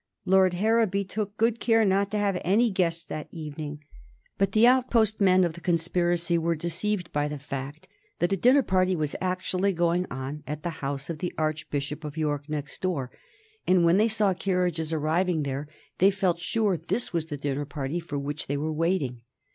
Lord Harrowby took good care not to have any guests that evening, but the outpost men of the conspiracy were deceived by the fact that a dinner party was actually going on at the house of the Archbishop of York next door, and when they saw carriages arriving there they felt sure this was the dinner party for which they were waiting.